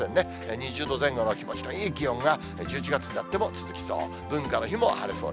２０度前後の気持ちのいい気温が、１１月になっても続きそう。